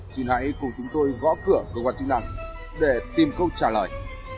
xin hãy cùng chúng tôi gõ cửa cơ quan chức năng để tìm câu trả lời